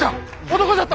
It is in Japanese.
男じゃった！